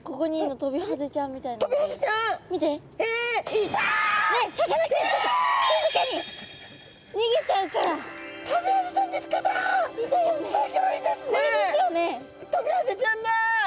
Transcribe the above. トビハゼちゃんだ！